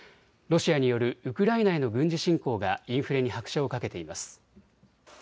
ロシアによるウクライナへの軍事侵攻がインフレに拍車をかけています。